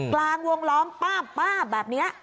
กลางวงล้อมป้าแบบนี้